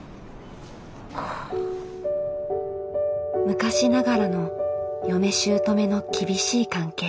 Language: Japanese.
昔ながらの嫁しゅうとめの厳しい関係。